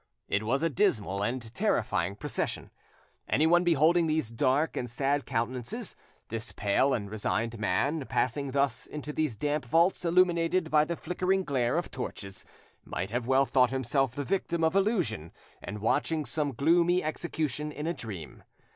It was a dismal and terrifying procession; anyone beholding these dark and sad countenances, this pale and resigned man, passing thus into these damp vaults illuminated by the flickering glare of torches, might well have thought himself the victim of illusion and watching some gloomy execution in a dream.